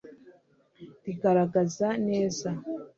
rigaragaza neza